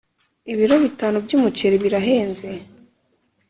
ibiro bitanu by'umuceri birahenze